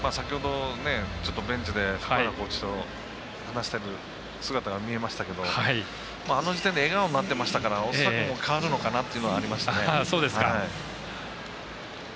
先ほど、ベンチで福原コーチと話している姿が見えましたけどあの時点で笑顔になってましたから代わるのかなというのはありました。